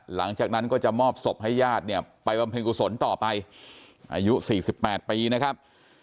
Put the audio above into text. หลังจากนั้นก็จะมอบศพให้ญาติเนี่ยไปบำเพ็ญกุศลต่อไปอายุ๔๘ปีนะครับ